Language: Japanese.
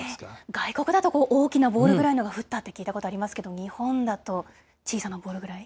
外国だと大きなボールぐらいのが降ったって聞いたことがありますけれども、日本だと、小さなボールぐらい？